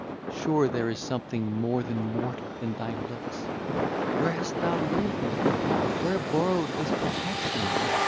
Sure there is something more than mortal in thy looks!—Where hast thou lived?—where borrowed this perfection?